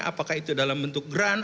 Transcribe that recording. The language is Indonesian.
apakah itu dalam bentuk grand